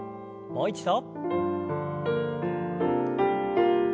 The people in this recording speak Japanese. もう一度。